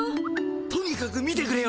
とにかく見てくれよ。